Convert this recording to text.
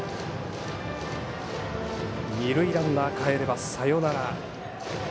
二塁ランナー、かえればサヨナラ。